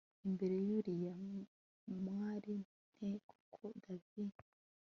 imbere yuriya mwali nte koko davi